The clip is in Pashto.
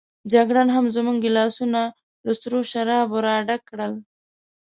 جګړن هم زموږ ګیلاسونه له سرو شرابو راډک کړل.